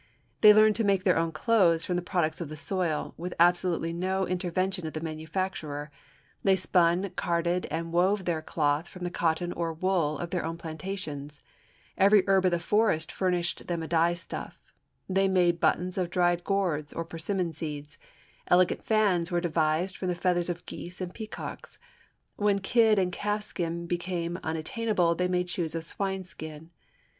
They learned to make their own clothes from the products of the soil, with absolutely no interven tion of the manufacturer; they spun, carded, and wove their cloth from the cotton or wool of their own plantations ; every herb of the forest furnished them a dye stuff; they made buttons of dried MOBILE BAY 223 Miss P. A. Hague, Family,' p. 102. gourds or persimmon seeds ; elegant fans were de vised from the feathers of geese and peacocks 5 when kid and calf skin became unattainable they made shoes of swine skin.